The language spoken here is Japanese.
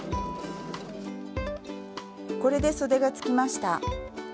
これでそでがつきました。